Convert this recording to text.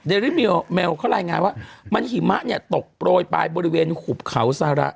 เดริมิวแมวเขาลายงานว่ามันหิมะเนี้ยตกโปรยไปบริเวณขุบเขาสาระ